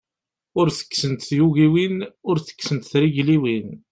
Ur tekksent tyugiwin, ur tekksent trigliwin.